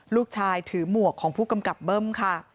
ถือหมวกของผู้กำกับเบิ้มค่ะ